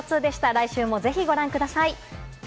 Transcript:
来週もぜひご覧ください。